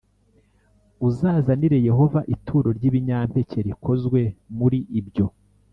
Uzazanire Yehova ituro ry ibinyampeke rikozwe muri ibyo